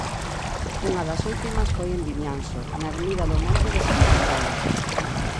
Unha das últimas foi en Vimianzo, na ermida do monte de San Bartolo.